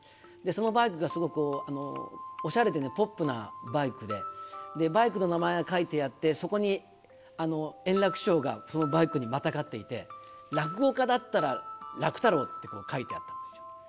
そのバイクがすごくおしゃれでポップなバイクで、バイクの名前が書いてあって、そこに円楽師匠がそのバイクにまたがっていて、落語家だったら楽太郎って書いてあったんですよ。